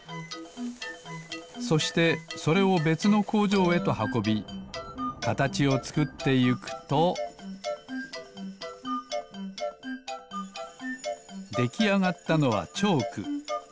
そしてそれをべつのこうじょうへとはこびかたちをつくってゆくとできあがったのはチョーク。